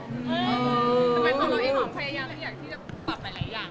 ทำไมของเราเองหรอใครอยากที่จะปรับอะไรอย่าง